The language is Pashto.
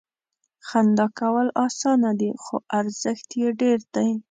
• خندا کول اسانه دي، خو ارزښت یې ډېر دی.